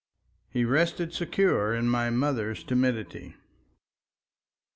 He rested secure in my mother's timidity.